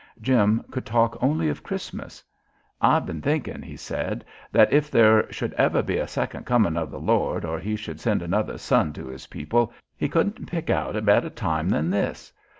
Jim could talk only of Christmas. "I've been thinkin'," he said, "that if there should ever be a second coming of the Lord or He should send another Son to His people He couldn't pick out a better place than this.